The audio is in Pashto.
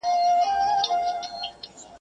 خپل خر تړلی ښه دئ، که څه هم غل اشنا وي.